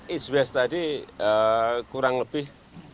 iswes tadi kurang lebih